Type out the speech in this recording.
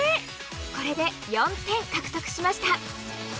これで４点獲得しました。